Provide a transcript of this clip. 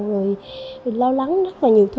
rồi lo lắng rất là nhiều thứ